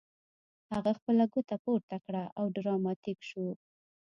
هغه خپله ګوته پورته کړه او ډراماتیک شو